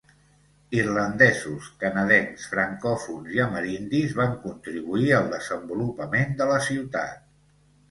Irlandesos, canadencs francòfons i amerindis van contribuir al desenvolupament de la ciutat.